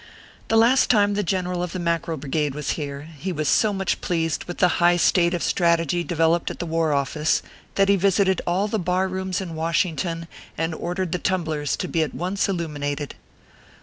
The last time the General of the Mackerel Brigade was here, he was so much pleased with the high state of strategy developed at the War Office, that he visited all the bar rooms in Washington, and ordered the tumblers to be at once illuminated.